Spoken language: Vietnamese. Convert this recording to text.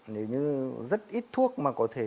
nếu như rất ít thuốc mà có thể